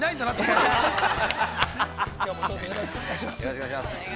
いや、どうもよろしくお願いします。